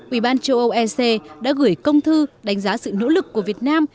ủy ban châu âu ec đã gửi công thư đánh giá sự nỗ lực của việt nam